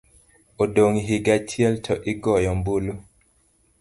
odong' higa achiel to igoyo ombulu.